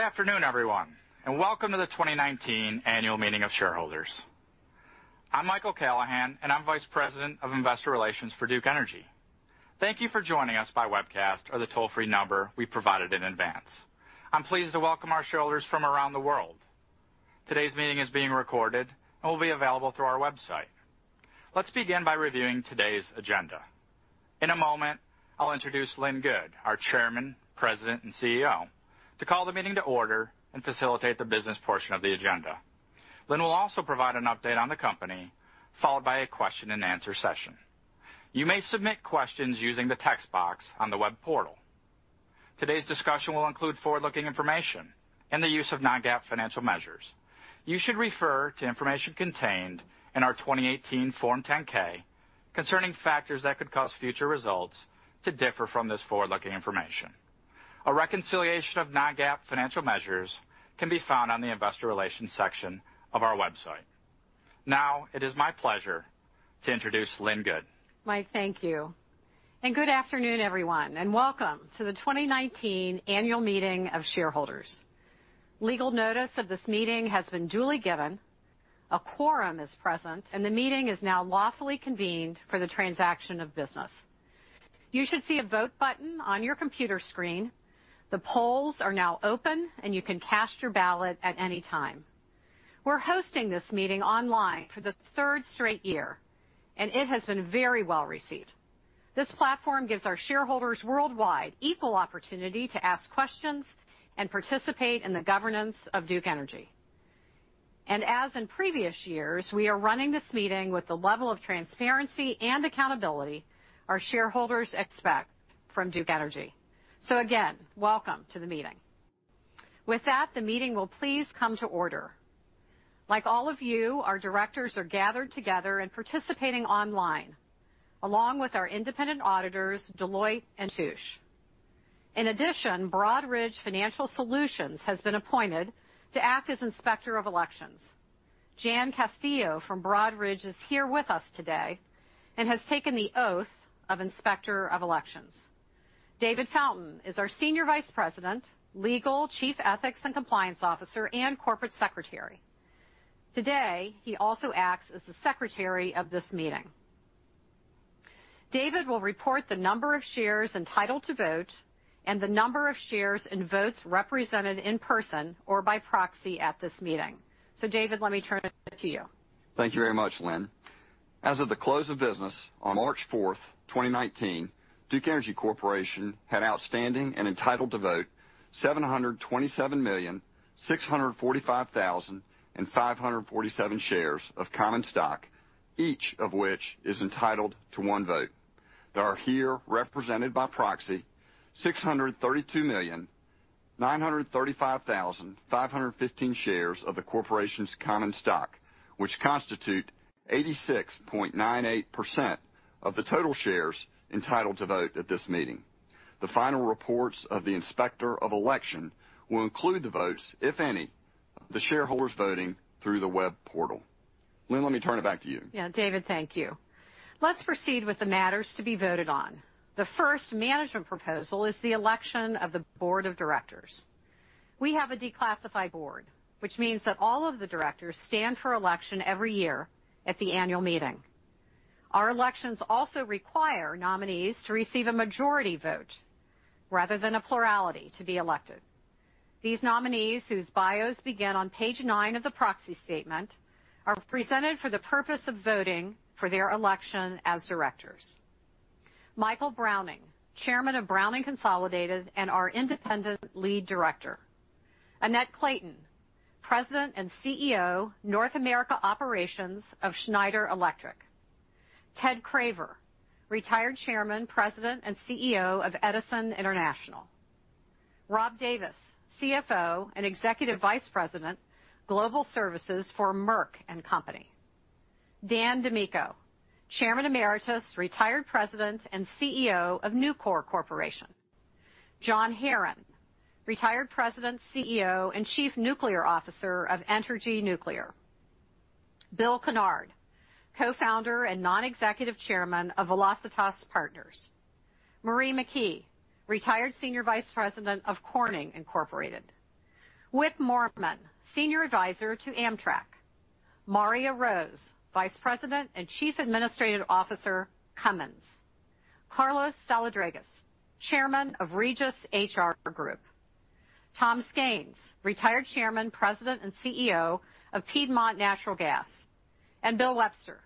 Good afternoon, everyone, and welcome to the 2019 Annual Meeting of Shareholders. I'm Michael Callahan, I'm Vice President of Investor Relations for Duke Energy. Thank you for joining us by webcast or the toll-free number we provided in advance. I'm pleased to welcome our shareholders from around the world. Today's meeting is being recorded and will be available through our website. Let's begin by reviewing today's agenda. In a moment, I'll introduce Lynn Good, our Chairman, President, and CEO, to call the meeting to order and facilitate the business portion of the agenda. Lynn will also provide an update on the company, followed by a question and answer session. You may submit questions using the text box on the web portal. Today's discussion will include forward-looking information and the use of non-GAAP financial measures. You should refer to information contained in our 2018 Form 10-K concerning factors that could cause future results to differ from this forward-looking information. A reconciliation of non-GAAP financial measures can be found on the investor relations section of our website. It is my pleasure to introduce Lynn Good. Mike, thank you. Good afternoon, everyone, and welcome to the 2019 Annual Meeting of Shareholders. Legal notice of this meeting has been duly given, a quorum is present, and the meeting is now lawfully convened for the transaction of business. You should see a vote button on your computer screen. The polls are now open, and you can cast your ballot at any time. We're hosting this meeting online for the third straight year, and it has been very well-received. This platform gives our shareholders worldwide equal opportunity to ask questions and participate in the governance of Duke Energy. As in previous years, we are running this meeting with the level of transparency and accountability our shareholders expect from Duke Energy. Again, welcome to the meeting. With that, the meeting will please come to order. Like all of you, our directors are gathered together and participating online, along with our independent auditors, Deloitte & Touche. In addition, Broadridge Financial Solutions has been appointed to act as Inspector of Elections. Jan Castillo from Broadridge is here with us today and has taken the oath of Inspector of Elections. David Fountain is our Senior Vice President, Legal, Chief Ethics and Compliance Officer, and Corporate Secretary. Today, he also acts as the secretary of this meeting. David will report the number of shares entitled to vote and the number of shares and votes represented in person or by proxy at this meeting. David, let me turn it over to you. Thank you very much, Lynn. As of the close of business on March 4th, 2019, Duke Energy Corporation had outstanding and entitled to vote 727,645,547 shares of common stock, each of which is entitled to one vote. There are here represented by proxy 632,935,515 shares of the corporation's common stock, which constitute 86.98% of the total shares entitled to vote at this meeting. The final reports of the Inspector of Election will include the votes, if any, of the shareholders voting through the web portal. Lynn, let me turn it back to you. David, thank you. Let's proceed with the matters to be voted on. The first management proposal is the election of the board of directors. We have a declassified board, which means that all of the directors stand for election every year at the annual meeting. Our elections also require nominees to receive a majority vote rather than a plurality to be elected. These nominees, whose bios begin on page nine of the proxy statement, are presented for the purpose of voting for their election as directors. Michael Browning, Chairman of Browning Consolidated and our independent lead director. Annette Clayton, President and CEO, North America Operations of Schneider Electric. Ted Craver, retired Chairman, President, and CEO of Edison International. Rob Davis, CFO and Executive Vice President, Global Services for Merck & Company. Dan DiMicco, Chairman Emeritus, retired President and CEO of Nucor Corporation. John Herron, retired President, CEO, and Chief Nuclear Officer of Entergy Nuclear. Bill Kennard, co-founder and non-executive Chairman of Velocitas Partners. Marie McKee, retired Senior Vice President of Corning Incorporated. Whit Morman, Senior Advisor to Amtrak. Marya M. Rose, Vice President and Chief Administrative Officer, Cummins. Carlos Saladrigas, Chairman of Regis HR Group. Tom Skains, retired Chairman, President, and CEO of Piedmont Natural Gas, and Bill Webster,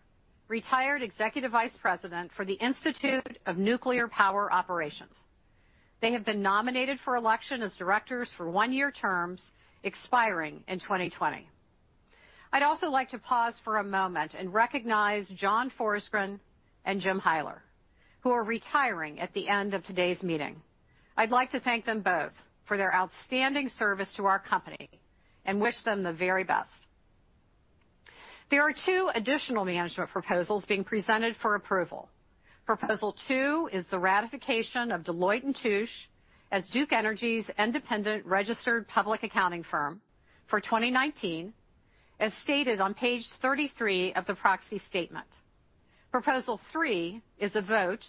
retired Executive Vice President for the Institute of Nuclear Power Operations. They have been nominated for election as directors for one-year terms expiring in 2020. I'd also like to pause for a moment and recognize John Forsgren and Jim Hyler, who are retiring at the end of today's meeting. I'd like to thank them both for their outstanding service to our company and wish them the very best. There are two additional management proposals being presented for approval. Proposal two is the ratification of Deloitte & Touche as Duke Energy's independent registered public accounting firm for 2019, as stated on page 33 of the proxy statement. Proposal three is a vote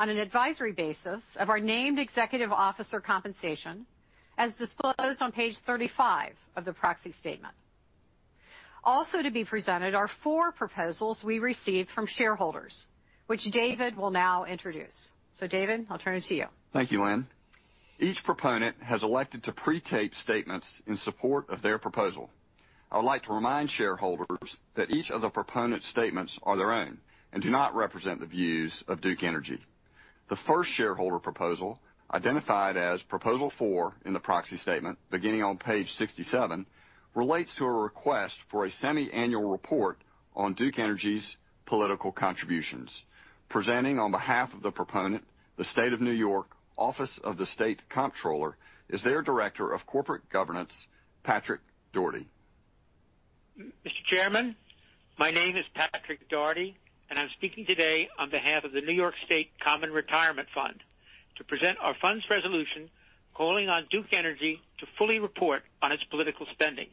on an advisory basis of our named executive officer compensation, as disclosed on page 35 of the proxy statement. Also to be presented are four proposals we received from shareholders, which David will now introduce. David, I'll turn it to you. Thank you, Lynn. Each proponent has elected to pre-tape statements in support of their proposal. I would like to remind shareholders that each of the proponent statements are their own and do not represent the views of Duke Energy. The first shareholder proposal, identified as Proposal 4 in the proxy statement beginning on page 67, relates to a request for a semi-annual report on Duke Energy's political contributions. Presenting on behalf of the proponent, the State of New York Office of the State Comptroller, is their Director of Corporate Governance, Patrick Doherty. Mr. Chairman, my name is Patrick Doherty, and I'm speaking today on behalf of the New York State Common Retirement Fund to present our fund's resolution calling on Duke Energy to fully report on its political spending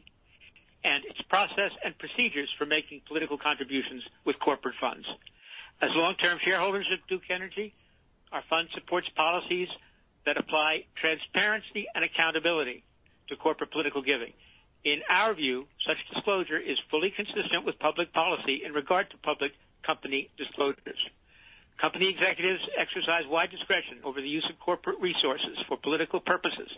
and its process and procedures for making political contributions with corporate funds. As long-term shareholders of Duke Energy, our fund supports policies that apply transparency and accountability to corporate political giving. In our view, such disclosure is fully consistent with public policy in regard to public company disclosures. Company executives exercise wide discretion over the use of corporate resources for political purposes,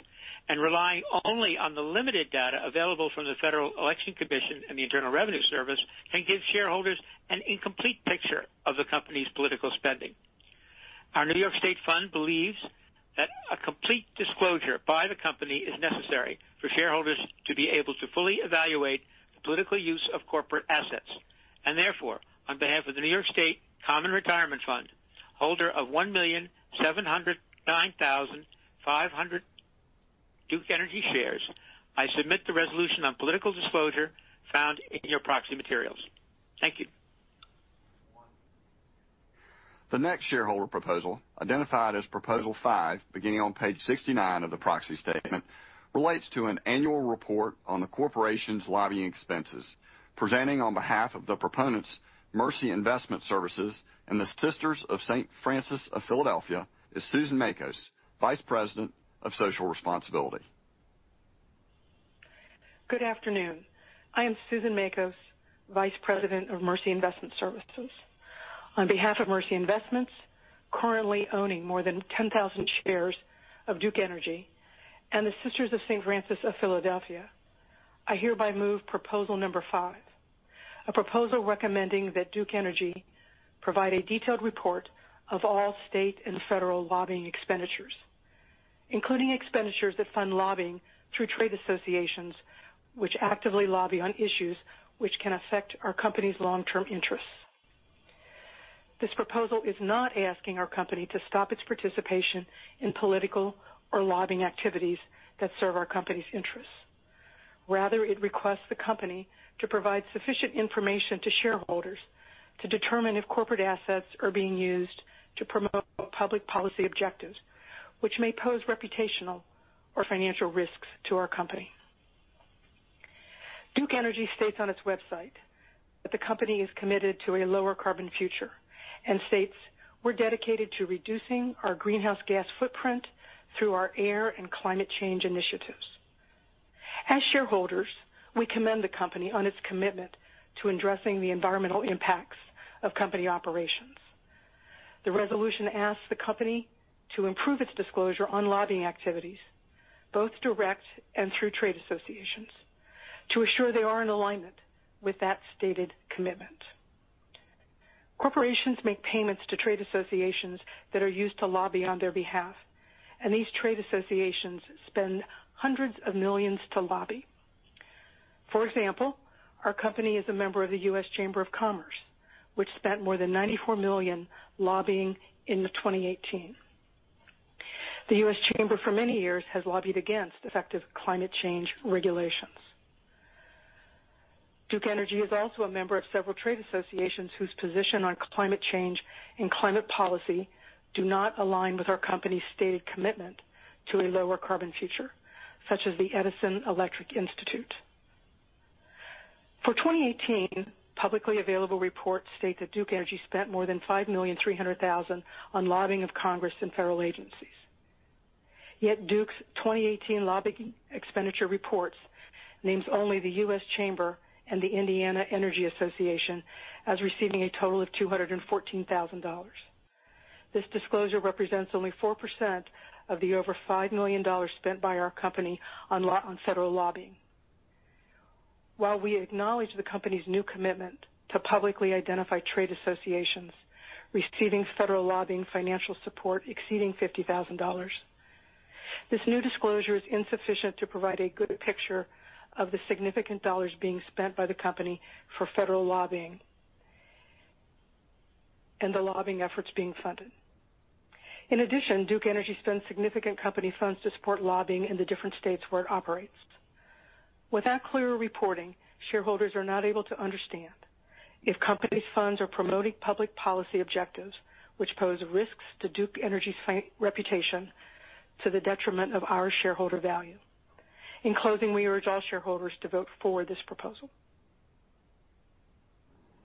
and relying only on the limited data available from the Federal Election Commission and the Internal Revenue Service can give shareholders an incomplete picture of the company's political spending. Our New York State Fund believes that a complete disclosure by the company is necessary for shareholders to be able to fully evaluate the political use of corporate assets. Therefore, on behalf of the New York State Common Retirement Fund, holder of 1,709,500 Duke Energy shares, I submit the resolution on political disclosure found in your proxy materials. Thank you. The next shareholder proposal, identified as Proposal 5 beginning on page 69 of the proxy statement, relates to an annual report on the corporation's lobbying expenses. Presenting on behalf of the proponents Mercy Investment Services and the Sisters of St. Francis of Philadelphia is Susan Makos, Vice President of Social Responsibility. Good afternoon. I am Susan Makos, Vice President of Mercy Investment Services. On behalf of Mercy Investment Services, currently owning more than 10,000 shares of Duke Energy and the Sisters of St. Francis of Philadelphia, I hereby move proposal number five, a proposal recommending that Duke Energy provide a detailed report of all state and federal lobbying expenditures. Including expenditures that fund lobbying through trade associations which actively lobby on issues which can affect our company's long-term interests. This proposal is not asking our company to stop its participation in political or lobbying activities that serve our company's interests. Rather, it requests the company to provide sufficient information to shareholders to determine if corporate assets are being used to promote public policy objectives, which may pose reputational or financial risks to our company. Duke Energy states on its website that the company is committed to a lower carbon future and states, "We're dedicated to reducing our greenhouse gas footprint through our air and climate change initiatives." As shareholders, we commend the company on its commitment to addressing the environmental impacts of company operations. The resolution asks the company to improve its disclosure on lobbying activities, both direct and through trade associations, to assure they are in alignment with that stated commitment. These trade associations spend hundreds of millions to lobby. For example, our company is a member of the U.S. Chamber of Commerce, which spent more than $94 million lobbying in 2018. The U.S. Chamber for many years has lobbied against effective climate change regulations. Duke Energy is also a member of several trade associations whose position on climate change and climate policy do not align with our company's stated commitment to a lower carbon future, such as the Edison Electric Institute. For 2018, publicly available reports state that Duke Energy spent more than $5,300,000 on lobbying of Congress and federal agencies. Yet Duke's 2018 lobbying expenditure reports names only the U.S. Chamber and the Indiana Energy Association as receiving a total of $214,000. This disclosure represents only 4% of the over $5 million spent by our company on federal lobbying. While we acknowledge the company's new commitment to publicly identify trade associations receiving federal lobbying financial support exceeding $50,000, this new disclosure is insufficient to provide a good picture of the significant dollars being spent by the company for federal lobbying and the lobbying efforts being funded. In addition, Duke Energy spends significant company funds to support lobbying in the different states where it operates. Without clear reporting, shareholders are not able to understand if company's funds are promoting public policy objectives which pose risks to Duke Energy's reputation to the detriment of our shareholder value. In closing, we urge all shareholders to vote for this proposal.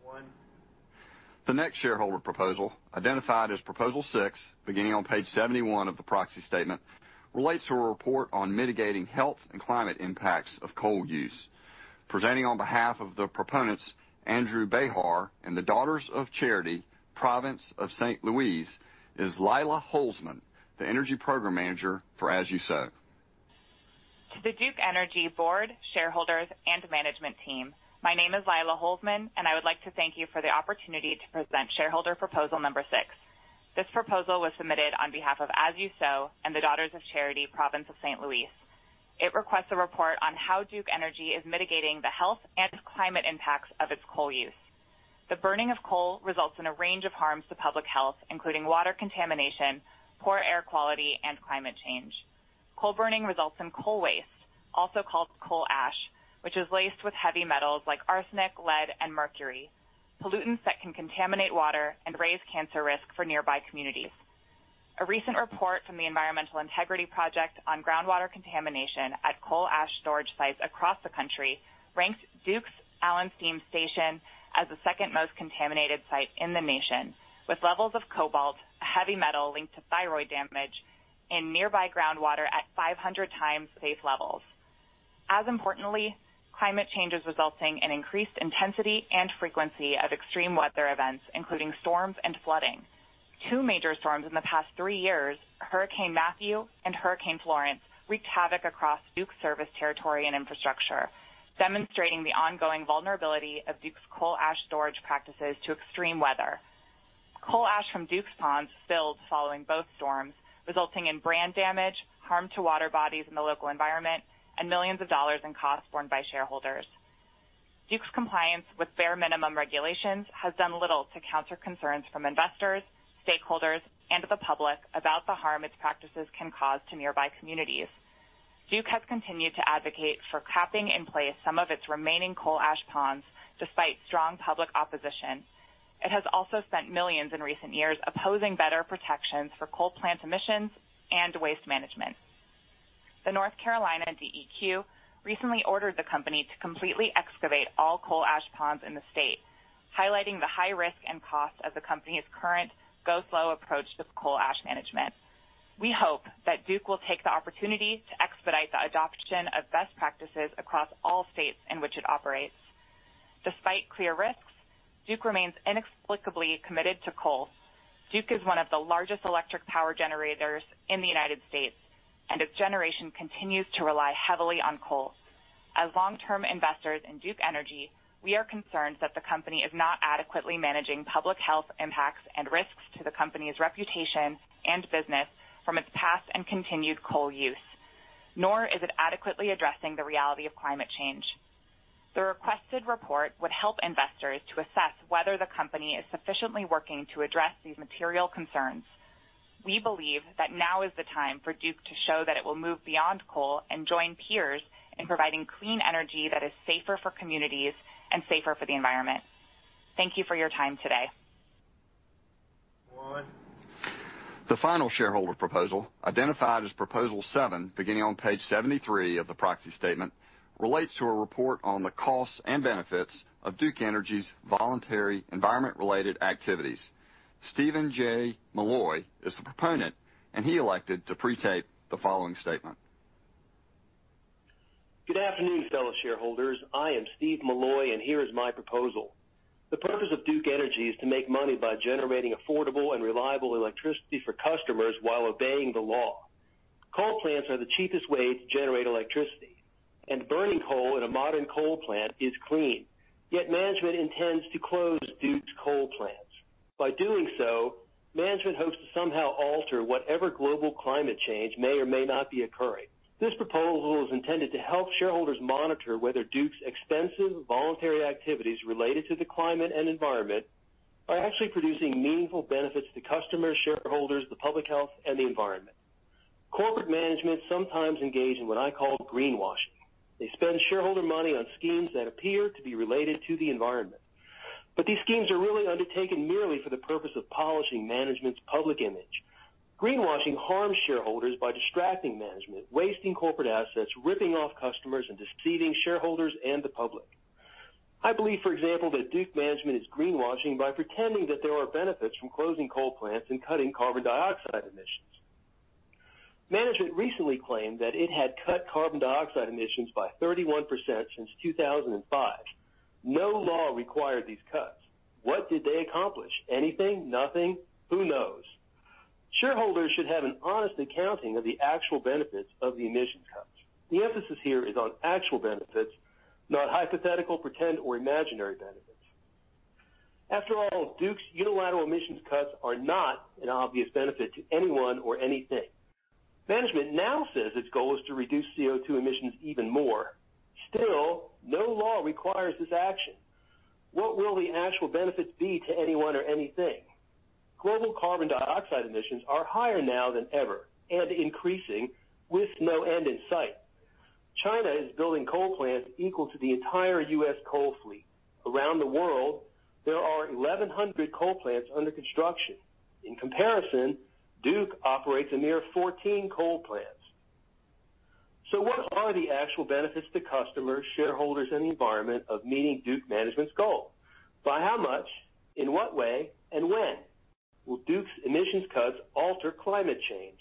One. The next shareholder proposal, identified as Proposal 6, beginning on page 71 of the proxy statement, relates to a report on mitigating health and climate impacts of coal use. Presenting on behalf of the proponents, Andrew Behar and the Daughters of Charity, Province of St. Louise, is Leila Holzman, the energy program manager for As You Sow. To the Duke Energy board, shareholders, and management team, my name is Leila Holzman, and I would like to thank you for the opportunity to present shareholder proposal number 6. This proposal was submitted on behalf of As You Sow and the Daughters of Charity, Province of St. Louise. It requests a report on how Duke Energy is mitigating the health and climate impacts of its coal use. The burning of coal results in a range of harms to public health, including water contamination, poor air quality, and climate change. Coal burning results in coal waste, also called coal ash, which is laced with heavy metals like arsenic, lead, and mercury, pollutants that can contaminate water and raise cancer risk for nearby communities. A recent report from the Environmental Integrity Project on groundwater contamination at coal ash storage sites across the country ranked Duke's Allen Steam Station as the second most contaminated site in the nation, with levels of cobalt, a heavy metal linked to thyroid damage, in nearby groundwater at 500 times safe levels. As importantly, climate change is resulting in increased intensity and frequency of extreme weather events, including storms and flooding. Two major storms in the past three years, Hurricane Matthew and Hurricane Florence, wreaked havoc across Duke's service territory and infrastructure, demonstrating the ongoing vulnerability of Duke's coal ash storage practices to extreme weather. Coal ash from Duke's ponds spilled following both storms, resulting in brand damage, harm to water bodies in the local environment, and millions of dollars in costs borne by shareholders. Duke's compliance with bare minimum regulations has done little to counter concerns from investors, stakeholders, and the public about the harm its practices can cause to nearby communities. Duke has continued to advocate for capping in place some of its remaining coal ash ponds, despite strong public opposition. It has also spent millions in recent years opposing better protections for coal plant emissions and waste management. The North Carolina DEQ recently ordered the company to completely excavate all coal ash ponds in the state, highlighting the high risk and cost of the company's current go-slow approach to coal ash management. We hope that Duke will take the opportunity to expedite the adoption of best practices across all states in which it operates. Despite clear risks, Duke remains inexplicably committed to coal. Duke is one of the largest electric power generators in the U.S., and its generation continues to rely heavily on coal. As long-term investors in Duke Energy, we are concerned that the company is not adequately managing public health impacts and risks to the company's reputation and business from its past and continued coal use, nor is it adequately addressing the reality of climate change. The requested report would help investors to assess whether the company is sufficiently working to address these material concerns. We believe that now is the time for Duke to show that it will move beyond coal and join peers in providing clean energy that is safer for communities and safer for the environment. Thank you for your time today. One. The final shareholder proposal, identified as Proposal Seven beginning on page 73 of the proxy statement, relates to a report on the costs and benefits of Duke Energy's voluntary environment-related activities. Stephen J. Milloy is the proponent, and he elected to pre-tape the following statement. Good afternoon, fellow shareholders. I am Steve Milloy, here is my proposal. The purpose of Duke Energy is to make money by generating affordable and reliable electricity for customers while obeying the law. Coal plants are the cheapest way to generate electricity, burning coal in a modern coal plant is clean. Yet management intends to close Duke's coal plants. By doing so, management hopes to somehow alter whatever global climate change may or may not be occurring. This proposal is intended to help shareholders monitor whether Duke's expensive voluntary activities related to the climate and environment are actually producing meaningful benefits to customers, shareholders, the public health, and the environment. Corporate management sometimes engage in what I call greenwashing. They spend shareholder money on schemes that appear to be related to the environment. These schemes are really undertaken merely for the purpose of polishing management's public image. Greenwashing harms shareholders by distracting management, wasting corporate assets, ripping off customers, and deceiving shareholders and the public. I believe, for example, that Duke management is greenwashing by pretending that there are benefits from closing coal plants and cutting carbon dioxide emissions. Management recently claimed that it had cut carbon dioxide emissions by 31% since 2005. No law required these cuts. What did they accomplish? Anything? Nothing? Who knows? Shareholders should have an honest accounting of the actual benefits of the emissions cuts. The emphasis here is on actual benefits, not hypothetical, pretend, or imaginary benefits. After all, Duke's unilateral emissions cuts are not an obvious benefit to anyone or anything. Management now says its goal is to reduce CO2 emissions even more. Still, no law requires this action. What will the actual benefits be to anyone or anything? Global carbon dioxide emissions are higher now than ever and increasing with no end in sight. China is building coal plants equal to the entire U.S. coal fleet. Around the world, there are 1,100 coal plants under construction. In comparison, Duke operates a mere 14 coal plants. What are the actual benefits to customers, shareholders, and the environment of meeting Duke management's goals? By how much, in what way, and when will Duke's emissions cuts alter climate change?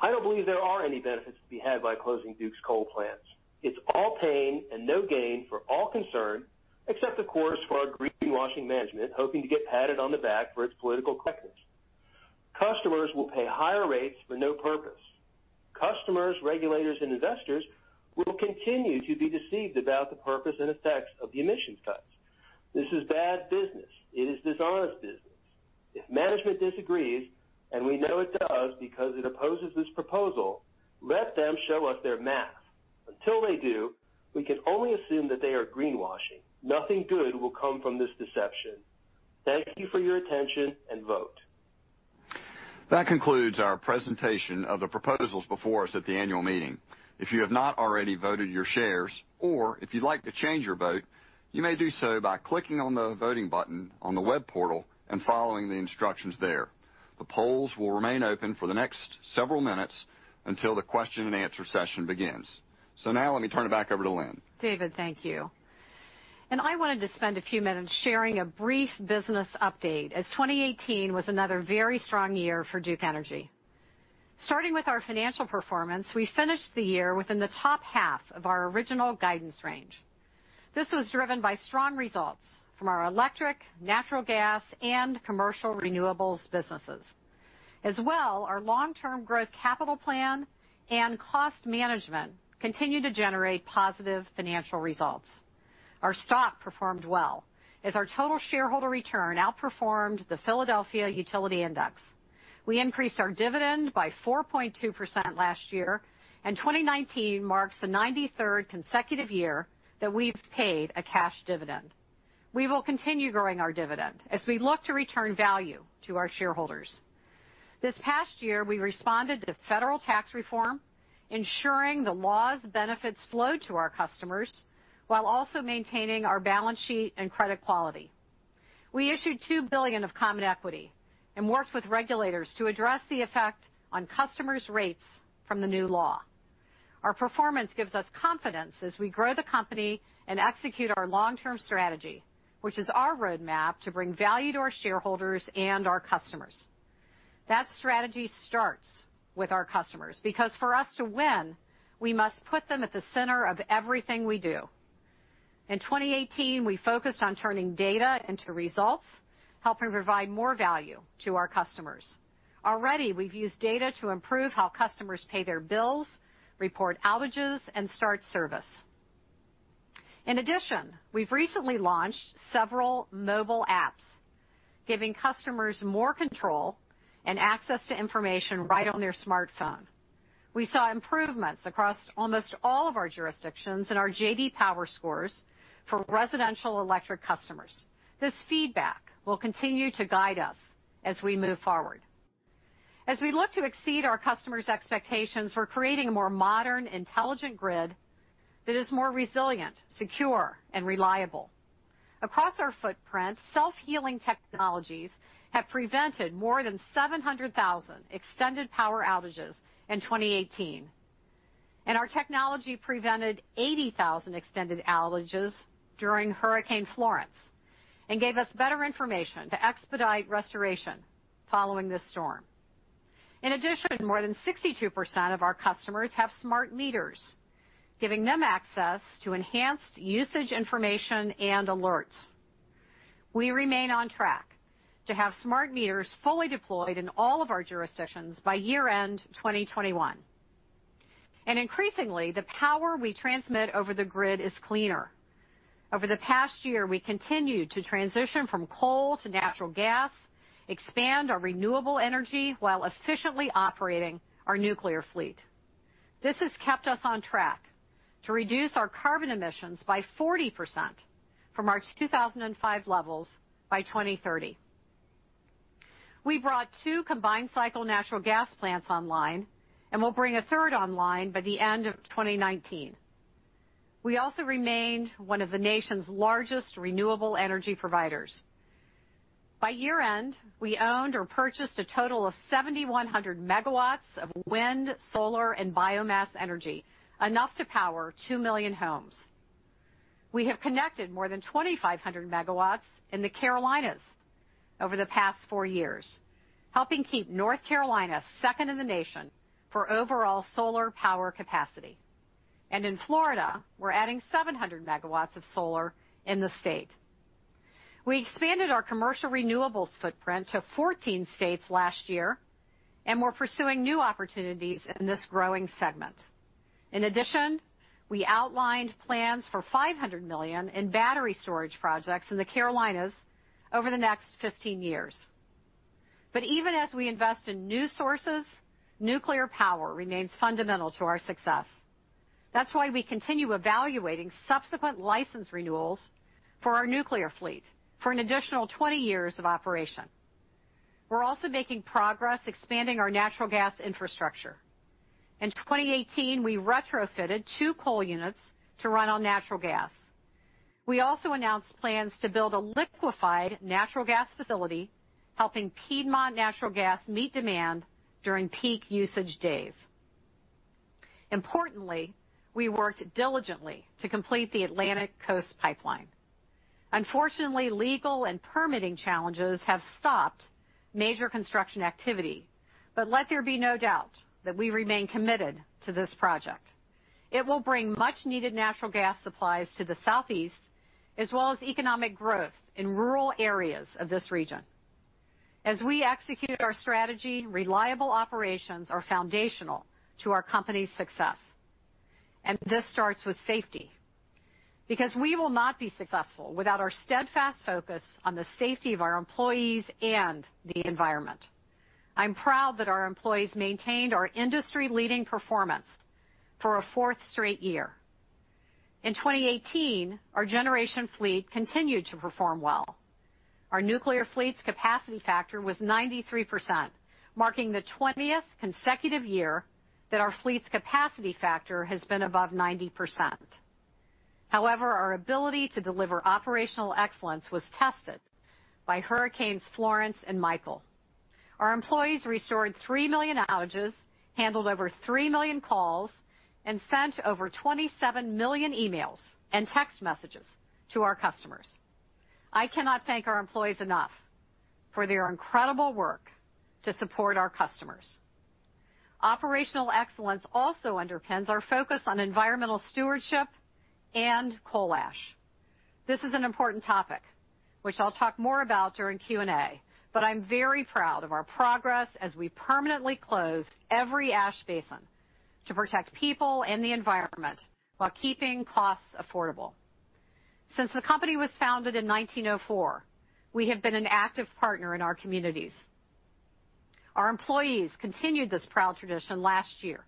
I don't believe there are any benefits to be had by closing Duke's coal plants. It's all pain and no gain for all concerned, except of course for our greenwashing management hoping to get patted on the back for its political correctness. Customers will pay higher rates for no purpose. Customers, regulators, and investors will continue to be deceived about the purpose and effects of the emissions cuts. This is bad business. It is dishonest business. If management disagrees, and we know it does because it opposes this proposal, let them show us their math. Until they do, we can only assume that they are greenwashing. Nothing good will come from this deception. Thank you for your attention, and vote. That concludes our presentation of the proposals before us at the annual meeting. If you have not already voted your shares, or if you'd like to change your vote, you may do so by clicking on the voting button on the web portal and following the instructions there. The polls will remain open for the next several minutes until the question and answer session begins. Now let me turn it back over to Lynn. David, thank you. I wanted to spend a few minutes sharing a brief business update, as 2018 was another very strong year for Duke Energy. Starting with our financial performance, we finished the year within the top half of our original guidance range. This was driven by strong results from our electric, natural gas, and commercial renewables businesses. As well, our long-term growth capital plan and cost management continue to generate positive financial results. Our stock performed well as our total shareholder return outperformed the Philadelphia Utility Index. We increased our dividend by 4.2% last year, and 2019 marks the 93rd consecutive year that we've paid a cash dividend. We will continue growing our dividend as we look to return value to our shareholders. This past year, we responded to federal tax reform, ensuring the law's benefits flow to our customers while also maintaining our balance sheet and credit quality. We issued $2 billion of common equity and worked with regulators to address the effect on customers' rates from the new law. Our performance gives us confidence as we grow the company and execute our long-term strategy, which is our roadmap to bring value to our shareholders and our customers. That strategy starts with our customers, because for us to win, we must put them at the center of everything we do. In 2018, we focused on turning data into results, helping provide more value to our customers. Already, we've used data to improve how customers pay their bills, report outages, and start service. In addition, we've recently launched several mobile apps giving customers more control and access to information right on their smartphone. We saw improvements across almost all of our jurisdictions in our J.D. Power scores for residential electric customers. This feedback will continue to guide us as we move forward. As we look to exceed our customers' expectations for creating a more modern, intelligent grid that is more resilient, secure, and reliable. Across our footprint, self-healing technologies have prevented more than 700,000 extended power outages in 2018. Our technology prevented 80,000 extended outages during Hurricane Florence and gave us better information to expedite restoration following this storm. In addition, more than 62% of our customers have smart meters, giving them access to enhanced usage information and alerts. We remain on track to have smart meters fully deployed in all of our jurisdictions by year-end 2021. Increasingly, the power we transmit over the grid is cleaner. Over the past year, we continued to transition from coal to natural gas, expand our renewable energy while efficiently operating our nuclear fleet. This has kept us on track to reduce our carbon emissions by 40% from our 2005 levels by 2030. We brought two combined-cycle natural gas plants online and will bring a third online by the end of 2019. We also remained one of the nation's largest renewable energy providers. By year-end, we owned or purchased a total of 7,100 megawatts of wind, solar, and biomass energy, enough to power 2 million homes. We have connected more than 2,500 megawatts in the Carolinas over the past four years, helping keep North Carolina second in the nation for overall solar power capacity. In Florida, we're adding 700 megawatts of solar in the state. We expanded our commercial renewables footprint to 14 states last year and we're pursuing new opportunities in this growing segment. In addition, we outlined plans for $500 million in battery storage projects in the Carolinas over the next 15 years. Even as we invest in new sources, nuclear power remains fundamental to our success. That's why we continue evaluating subsequent license renewals for our nuclear fleet for an additional 20 years of operation. We're also making progress expanding our natural gas infrastructure. In 2018, we retrofitted 2 coal units to run on natural gas. We also announced plans to build a liquefied natural gas facility, helping Piedmont Natural Gas meet demand during peak usage days. Importantly, we worked diligently to complete the Atlantic Coast Pipeline. Unfortunately, legal and permitting challenges have stopped major construction activity, but let there be no doubt that we remain committed to this project. It will bring much needed natural gas supplies to the Southeast, as well as economic growth in rural areas of this region. As we execute our strategy, reliable operations are foundational to our company's success. This starts with safety, because we will not be successful without our steadfast focus on the safety of our employees and the environment. I'm proud that our employees maintained our industry-leading performance for a fourth straight year. In 2018, our generation fleet continued to perform well. Our nuclear fleet's capacity factor was 93%, marking the 20th consecutive year that our fleet's capacity factor has been above 90%. However, our ability to deliver operational excellence was tested by Hurricanes Florence and Michael. Our employees restored 3 million outages, handled over 3 million calls, and sent over 27 million emails and text messages to our customers. I cannot thank our employees enough for their incredible work to support our customers. Operational excellence also underpins our focus on environmental stewardship and coal ash. This is an important topic, which I'll talk more about during Q&A, but I'm very proud of our progress as we permanently close every ash basin to protect people and the environment while keeping costs affordable. Since the company was founded in 1904, we have been an active partner in our communities. Our employees continued this proud tradition last year.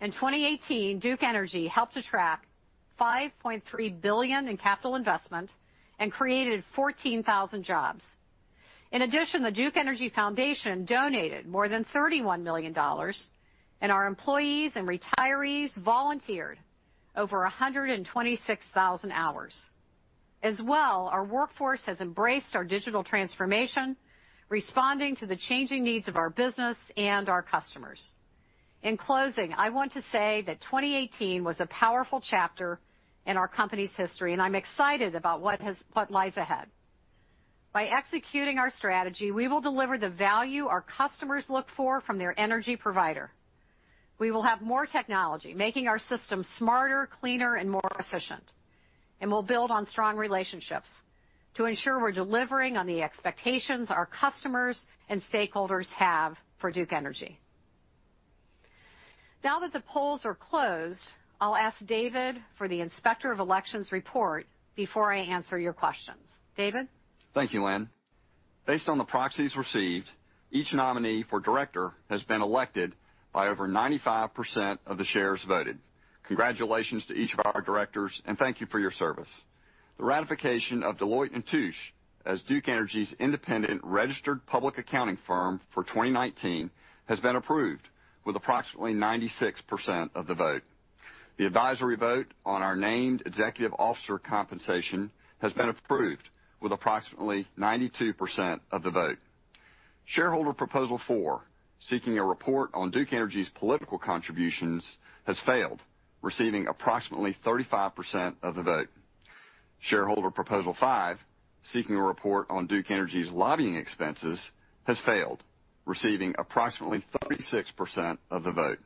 In 2018, Duke Energy helped attract $5.3 billion in capital investment and created 14,000 jobs. In addition, the Duke Energy Foundation donated more than $31 million. Our employees and retirees volunteered over 126,000 hours. Our workforce has embraced our digital transformation, responding to the changing needs of our business and our customers. In closing, I want to say that 2018 was a powerful chapter in our company's history. I'm excited about what lies ahead. By executing our strategy, we will deliver the value our customers look for from their energy provider. We will have more technology, making our systems smarter, cleaner, and more efficient. We'll build on strong relationships to ensure we're delivering on the expectations our customers and stakeholders have for Duke Energy. Now that the polls are closed, I'll ask David for the Inspector of Elections report before I answer your questions. David? Thank you, Lynn. Based on the proxies received, each nominee for director has been elected by over 95% of the shares voted. Congratulations to each of our directors. Thank you for your service. The ratification of Deloitte & Touche as Duke Energy's independent registered public accounting firm for 2019 has been approved with approximately 96% of the vote. The advisory vote on our named executive officer compensation has been approved with approximately 92% of the vote. Shareholder Proposal 4, seeking a report on Duke Energy's political contributions, has failed, receiving approximately 35% of the vote. Shareholder Proposal 5, seeking a report on Duke Energy's lobbying expenses, has failed, receiving approximately 36% of the vote.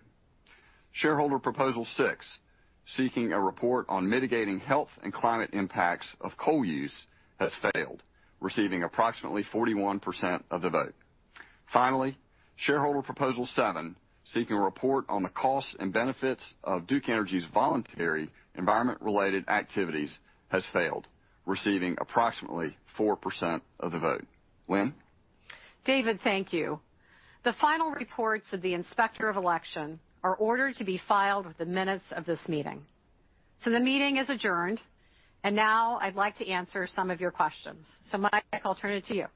Shareholder Proposal 6, seeking a report on mitigating health and climate impacts of coal use, has failed, receiving approximately 41% of the vote. Shareholder Proposal 7, seeking a report on the costs and benefits of Duke Energy's voluntary environment-related activities, has failed, receiving approximately 4% of the vote. Lynn? David, thank you. The final reports of the Inspector of Election are ordered to be filed with the minutes of this meeting. The meeting is adjourned, and now I'd like to answer some of your questions. Mike, I'll turn it to you.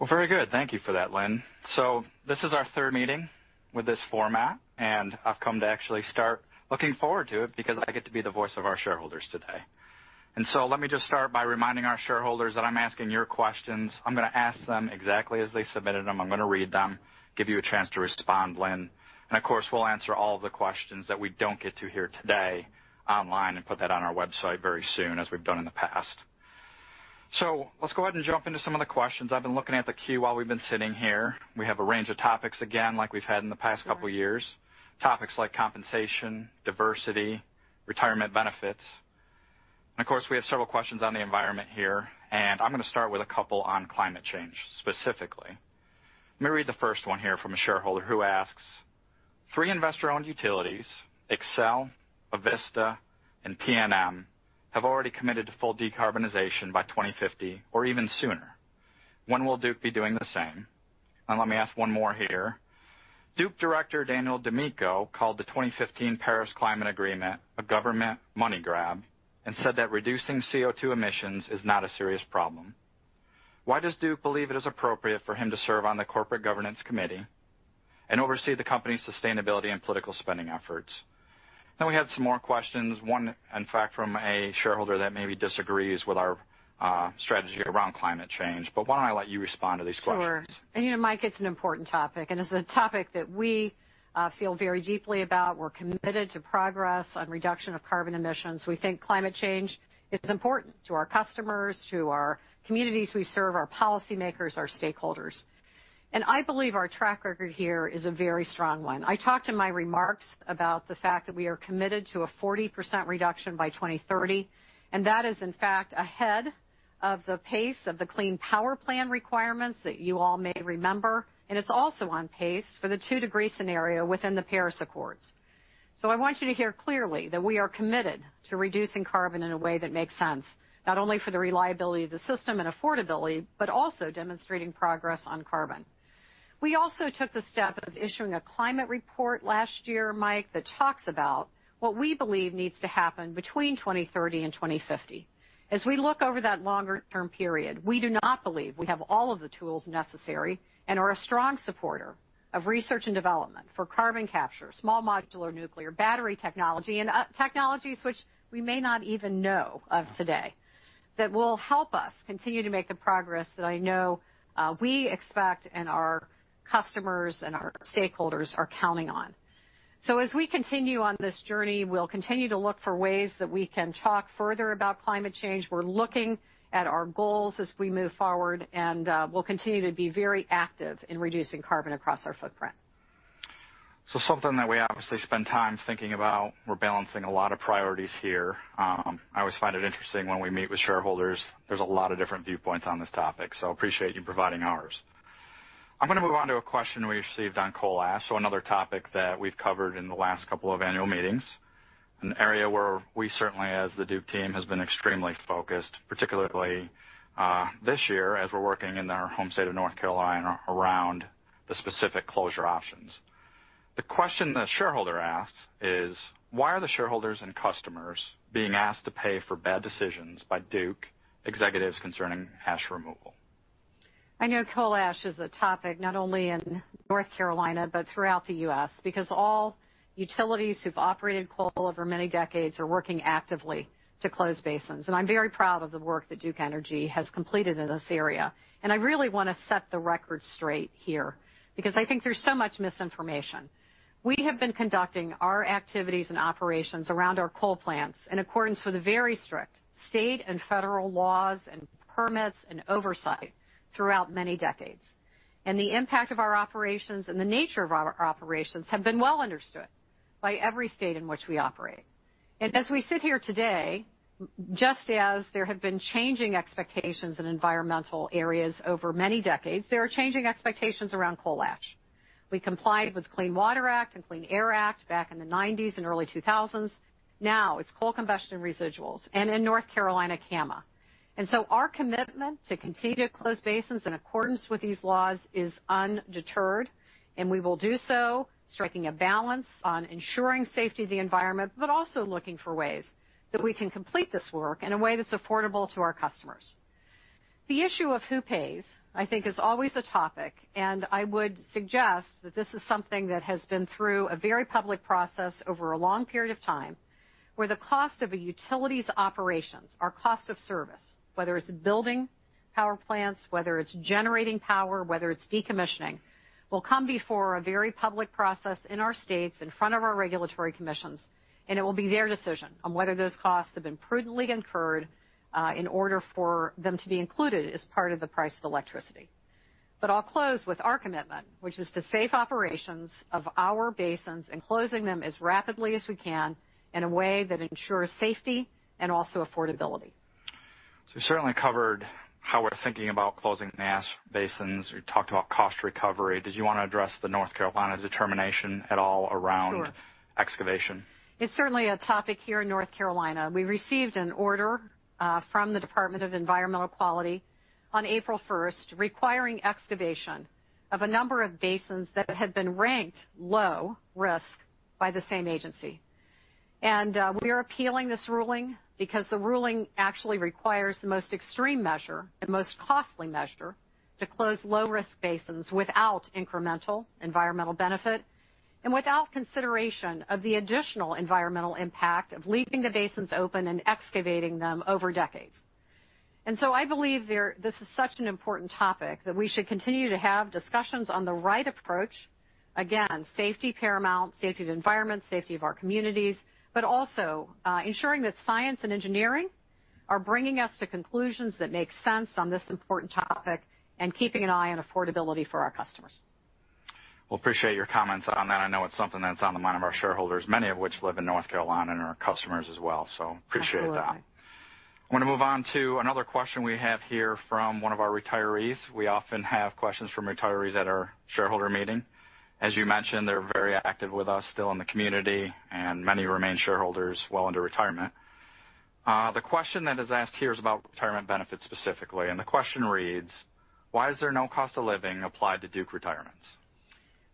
Well, very good. Thank you for that, Lynn. This is our third meeting with this format, and I've come to actually start looking forward to it because I get to be the voice of our shareholders today. Let me just start by reminding our shareholders that I'm asking your questions. I'm going to ask them exactly as they submitted them. I'm going to read them, give you a chance to respond, Lynn. Of course, we'll answer all of the questions that we don't get to here today online and put that on our website very soon, as we've done in the past. Let's go ahead and jump into some of the questions. I've been looking at the queue while we've been sitting here. We have a range of topics again, like we've had in the past couple years. Topics like compensation, diversity, retirement benefits. Of course, we have several questions on the environment here, and I'm going to start with a couple on climate change specifically. Let me read the first one here from a shareholder who asks, "Three investor-owned utilities, Xcel, Avista, and PNM, have already committed to full decarbonization by 2050 or even sooner. When will Duke be doing the same?" Let me ask one more here. Duke director Daniel DiMicco called the 2015 Paris Climate Agreement a government money grab and said that reducing CO2 emissions is not a serious problem. Why does Duke believe it is appropriate for him to serve on the Corporate Governance Committee and oversee the company's sustainability and political spending efforts? We had some more questions. One, in fact, from a shareholder that maybe disagrees with our strategy around climate change, why don't I let you respond to these questions? Sure. Mike, it's an important topic, and it's a topic that we feel very deeply about. We're committed to progress on reduction of carbon emissions. We think climate change is important to our customers, to our communities we serve, our policymakers, our stakeholders. I believe our track record here is a very strong one. I talked in my remarks about the fact that we are committed to a 40% reduction by 2030, and that is in fact ahead of the pace of the Clean Power Plan requirements that you all may remember, and it's also on pace for the two-degree scenario within the Paris Accord. I want you to hear clearly that we are committed to reducing carbon in a way that makes sense, not only for the reliability of the system and affordability, but also demonstrating progress on carbon. We also took the step of issuing a climate report last year, Mike, that talks about what we believe needs to happen between 2030 and 2050. As we look over that longer-term period, we do not believe we have all of the tools necessary and are a strong supporter of research and development for carbon capture, small modular nuclear, battery technology, and technologies which we may not even know of today that will help us continue to make the progress that I know we expect and our customers and our stakeholders are counting on. As we continue on this journey, we'll continue to look for ways that we can talk further about climate change. We're looking at our goals as we move forward, and we'll continue to be very active in reducing carbon across our footprint. Something that we obviously spend time thinking about. We're balancing a lot of priorities here. I always find it interesting when we meet with shareholders. There's a lot of different viewpoints on this topic, so appreciate you providing ours. I'm going to move on to a question we received on coal ash, another topic that we've covered in the last couple of annual meetings, an area where we certainly, as the Duke team, has been extremely focused, particularly this year as we're working in our home state of North Carolina around the specific closure options. The question the shareholder asks is: Why are the shareholders and customers being asked to pay for bad decisions by Duke executives concerning ash removal? I know coal ash is a topic not only in North Carolina but throughout the U.S. because all utilities who've operated coal over many decades are working actively to close basins, and I'm very proud of the work that Duke Energy has completed in this area. I really want to set the record straight here because I think there's so much misinformation. We have been conducting our activities and operations around our coal plants in accordance with very strict state and federal laws and permits and oversight throughout many decades. The impact of our operations and the nature of our operations have been well understood by every state in which we operate. As we sit here today, just as there have been changing expectations in environmental areas over many decades, there are changing expectations around coal ash. We complied with the Clean Water Act and Clean Air Act back in the '90s and early 2000s. Now it's coal combustion residuals and in North Carolina, CAMA. Our commitment to continue to close basins in accordance with these laws is undeterred, and we will do so striking a balance on ensuring safety of the environment, but also looking for ways that we can complete this work in a way that's affordable to our customers. The issue of who pays, I think, is always a topic, and I would suggest that this is something that has been through a very public process over a long period of time, where the cost of a utility's operations, our cost of service, whether it's building power plants, whether it's generating power, whether it's decommissioning, will come before a very public process in our states in front of our regulatory commissions, and it will be their decision on whether those costs have been prudently incurred in order for them to be included as part of the price of electricity. I'll close with our commitment, which is to safe operations of our basins and closing them as rapidly as we can in a way that ensures safety and also affordability. You certainly covered how we're thinking about closing ash basins. We talked about cost recovery. Did you want to address the North Carolina determination at all around. Sure excavation? It's certainly a topic here in North Carolina. We received an order from the Department of Environmental Quality on April 1st requiring excavation of a number of basins that had been ranked low risk by the same agency. We are appealing this ruling because the ruling actually requires the most extreme measure and most costly measure to close low-risk basins without incremental environmental benefit and without consideration of the additional environmental impact of leaving the basins open and excavating them over decades. I believe this is such an important topic that we should continue to have discussions on the right approach. Again, safety paramount, safety of the environment, safety of our communities, but also ensuring that science and engineering are bringing us to conclusions that make sense on this important topic and keeping an eye on affordability for our customers. Appreciate your comments on that. I know it is something that is on the mind of our shareholders, many of which live in North Carolina and are customers as well. Appreciate that. Absolutely. I want to move on to another question we have here from one of our retirees. We often have questions from retirees at our shareholder meeting. As you mentioned, they're very active with us still in the community, and many remain shareholders well into retirement. The question that is asked here is about retirement benefits specifically, and the question reads: Why is there no cost of living applied to Duke retirements?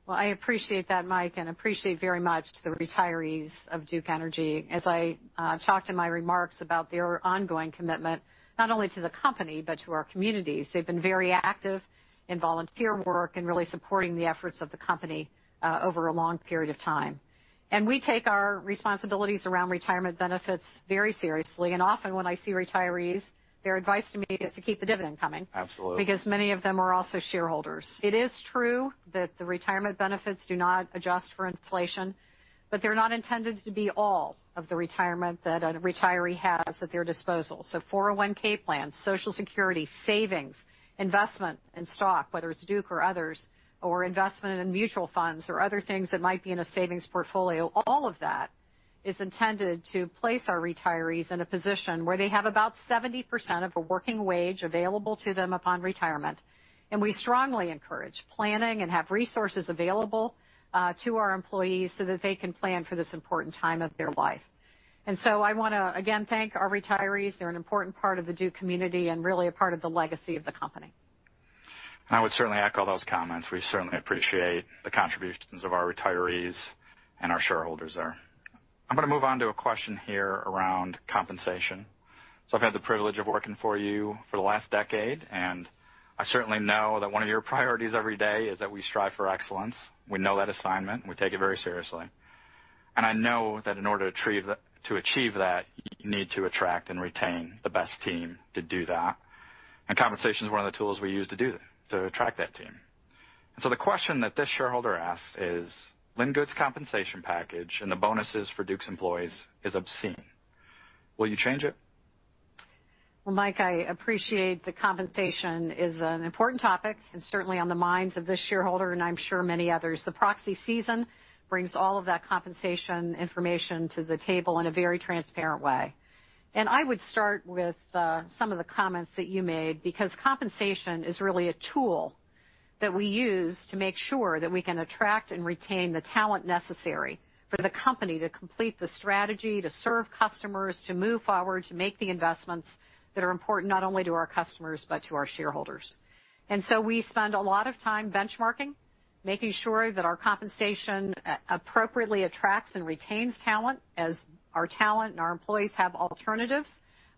I appreciate that, Mike, and appreciate very much to the retirees of Duke Energy as I talked in my remarks about their ongoing commitment, not only to the company but to our communities. They've been very active in volunteer work and really supporting the efforts of the company over a long period of time. We take our responsibilities around retirement benefits very seriously, and often when I see retirees, their advice to me is to keep the dividend coming. Absolutely because many of them are also shareholders. It is true that the retirement benefits do not adjust for inflation, but they're not intended to be all of the retirement that a retiree has at their disposal. 401 plans, Social Security, savings, investment in stock, whether it is Duke or others, or investment in mutual funds or other things that might be in a savings portfolio, all of that is intended to place our retirees in a position where they have about 70% of a working wage available to them upon retirement. We strongly encourage planning and have resources available to our employees so that they can plan for this important time of their life. I want to, again, thank our retirees. They're an important part of the Duke community and really a part of the legacy of the company. I would certainly echo those comments. We certainly appreciate the contributions of our retirees and our shareholders there. I'm going to move on to a question here around compensation. I've had the privilege of working for you for the last decade, and I certainly know that one of your priorities every day is that we strive for excellence. We know that assignment, and we take it very seriously. I know that in order to achieve that, you need to attract and retain the best team to do that, and compensation is one of the tools we use to do that, to attract that team. The question that this shareholder asks is, "Lynn Good's compensation package and the bonuses for Duke's employees is obscene. Will you change it? Well, Mike, I appreciate the compensation is an important topic and certainly on the minds of this shareholder and I'm sure many others. The proxy season brings all of that compensation information to the table in a very transparent way. I would start with some of the comments that you made because compensation is really a tool that we use to make sure that we can attract and retain the talent necessary for the company to complete the strategy, to serve customers, to move forward, to make the investments that are important not only to our customers but to our shareholders. We spend a lot of time benchmarking, making sure that our compensation appropriately attracts and retains talent as our talent and our employees have alternatives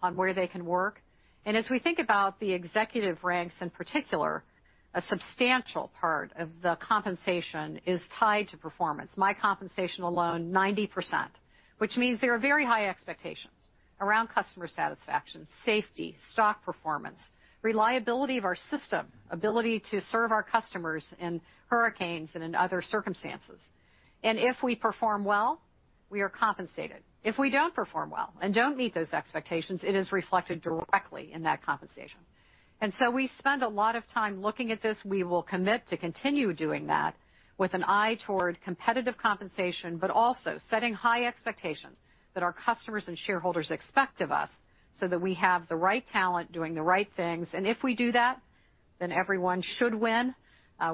on where they can work. As we think about the executive ranks in particular, a substantial part of the compensation is tied to performance. My compensation alone, 90%, which means there are very high expectations around customer satisfaction, safety, stock performance, reliability of our system, ability to serve our customers in hurricanes and in other circumstances. If we perform well, we are compensated. If we don't perform well and don't meet those expectations, it is reflected directly in that compensation. We spend a lot of time looking at this. We will commit to continue doing that with an eye toward competitive compensation, but also setting high expectations that our customers and shareholders expect of us so that we have the right talent doing the right things. If we do that, then everyone should win.